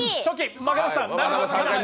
負けました。